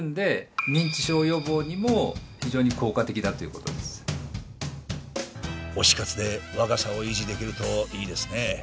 それによって推し活で若さを維持できるといいですね。